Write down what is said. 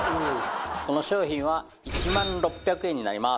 この商品は１万６００円になります。